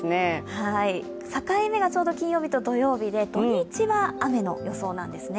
境目がちょうど金曜日と土曜日で土日は雨の予想なんですね。